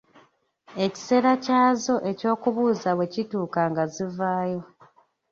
Ekiseera kyazo eky'okubuuza bwe kituuka nga zivaayo.